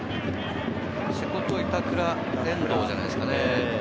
瀬古と板倉、遠藤じゃないですかね。